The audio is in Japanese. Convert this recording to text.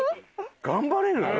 頑張れる？